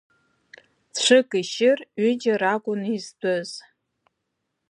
Цәык ишьыр, ҩыџьа ракәын изтәыз.